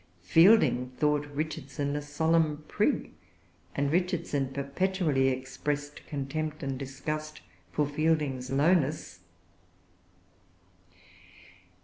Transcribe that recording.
Fielding thought Richardson a solemn prig; and Richardson perpetually expressed contempt and disgust for Fielding's lowness.